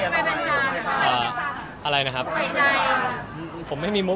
แสดงว่าดูมาเท่าไหร่ด้วยชิคกี้พายสัมภาษณ์มันมีอยู่